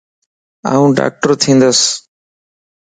آن ڊاڪٽر بنجنڌوس